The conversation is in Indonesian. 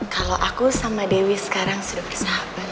kalau aku sama dewi sekarang sudah bersahabat